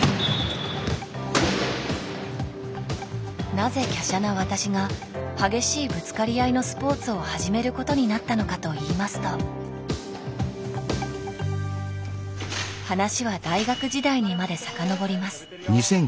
なぜきゃしゃな私が激しいぶつかり合いのスポーツを始めることになったのかといいますと話は大学時代にまで遡ります。